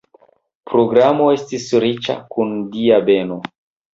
Programo estis riĉa kun Dia beno.